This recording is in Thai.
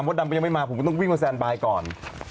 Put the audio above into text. เมื่อทำไม่มาก็ต้องวิ่งกับแซลนปลายก่อน